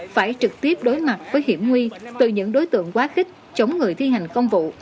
phải trực tiếp đối mặt với hiểm nguy từ những đối tượng quá khích chống người thi hành công vụ